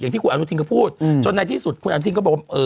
ที่คุณอนุทินก็พูดจนในที่สุดคุณอนุทินก็บอกว่า